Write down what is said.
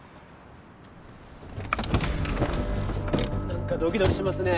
なんかドキドキしますね